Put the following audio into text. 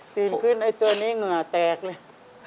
สินขึ้นไอ้เจ้านี่เหงื่อแตกเลย